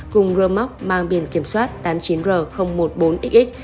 cùng rơ móc mang biển kiểm soát tám mươi chín r một mươi bốn xx